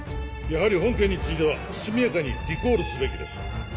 やはり本件については速やかにリコールすべきです